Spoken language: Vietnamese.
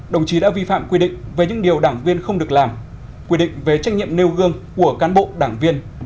đồng chí đã vi phạm quy định về những điều đảng viên không được làm quy định về trách nhiệm nêu gương của cán bộ đảng viên